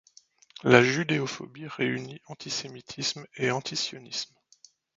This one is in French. La judéophobie réunit antisémitisme et antisionisme.